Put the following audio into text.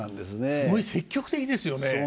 すごい積極的ですよね。